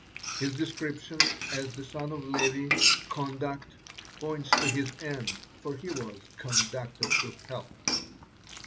His description as the son of Levi, "conduct," points to his end, for he was conducted to hell.